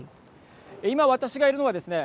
今、私がいるのはですね